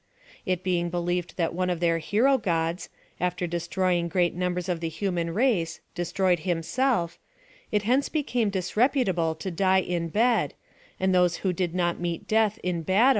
It being believed that one of their hero gods, after destroying great numbers of the human race, destroyed himself, it hence became dis reputable to die in bed, and those who did not meet death in '>attU.